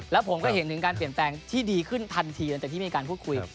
แล้วผมก็เห็นถึงการเปลี่ยนแปลงที่ดีขึ้นทันทีหลังจากที่มีการพูดคุย